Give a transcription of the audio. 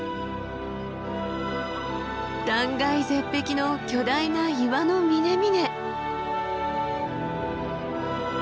断崖絶壁の巨大な岩の峰々。